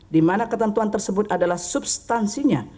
dimana ketentuan tersebut adalah substansinya